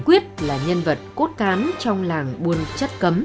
quyết là nhân vật cốt cán trong làng buôn chất cấm